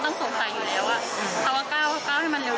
เขาไม่ถึงต่อวิ่งเหมือนก้าวเร็วเร็วถ้าถามส่วนวิ่งมันก็ต้องสงสัยอยู่แล้วอ่ะ